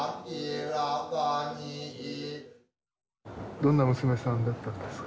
どんな娘さんだったんですか？